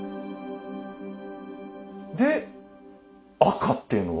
で赤っていうのは？